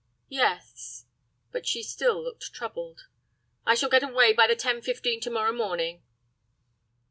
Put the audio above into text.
"Yes," but she still looked troubled. "I shall get away by the 10.15 to morrow morning."